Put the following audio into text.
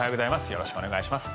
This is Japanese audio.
よろしくお願いします。